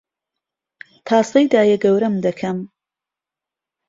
تاسەی دایەگەورەم دەکەم